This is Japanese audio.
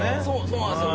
そうなんですよ。